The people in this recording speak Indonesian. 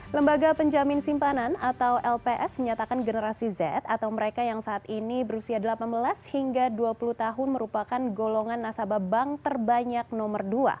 lembaga penjamin simpanan atau lps menyatakan generasi z atau mereka yang saat ini berusia delapan belas hingga dua puluh tahun merupakan golongan nasabah bank terbanyak nomor dua